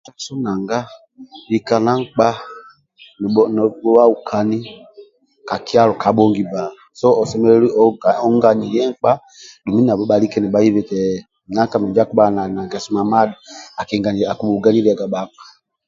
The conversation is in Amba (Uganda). Ali na mugaso nanga lika na nkpa nibhuakani ka kyalo ka kyalo kabhongi bba so osemelelu onganilie nkpa dumbi nabho bhalike nibhaibi eti nanga minjo akibhaga na ngeso mamada akibhuganyiliaga bhakpa